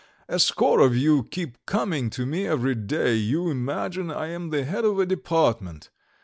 "A score of you keep coming to me every day; you imagine I am the head of a department!